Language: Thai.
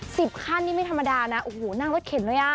สิบขั้นนี่ไม่ธรรมดานะโอ้โหนั่งรถเข็นเลยอ่ะ